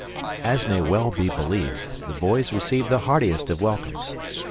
As may well be believed, the boys received the heartiest of welcomes.